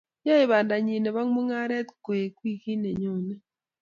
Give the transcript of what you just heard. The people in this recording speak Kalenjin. yae panda nyi nebo mugaret koek wikit ne nyonei